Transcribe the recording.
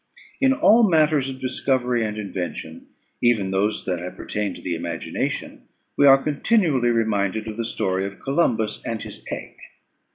In all matters of discovery and invention, even of those that appertain to the imagination, we are continually reminded of the story of Columbus and his egg.